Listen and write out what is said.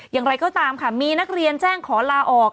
อย่างไรก็ตามค่ะมีนักเรียนแจ้งขอลาออก